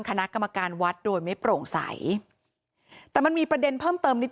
คณะกรรมการวัดโดยไม่โปร่งใสแต่มันมีประเด็นเพิ่มเติมนิด